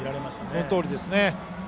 そのとおりですね。